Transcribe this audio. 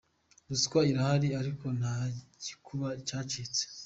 Ruswa irahari ariko nta gikuba cyacitse “.